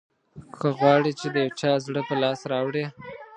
که غواړې چې د یو چا زړه په لاس راوړې.